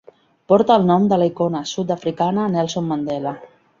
Porta el nom de la icona sud-africana Nelson Mandela.